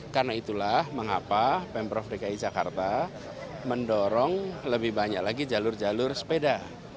karena itulah mengapa pemprov dki jakarta mendorong lebih banyak lagi jalur jalur sepeda